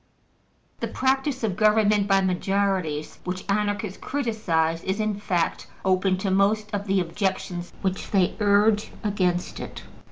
The practice of government by majorities, which Anarchists criticise, is in fact open to most of the objections which they urge against it.